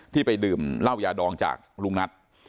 ไปดื่มเหล้ายาดองจากลุงนัท